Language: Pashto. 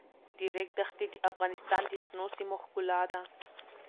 د ریګ دښتې د افغانستان د شنو سیمو ښکلا ده.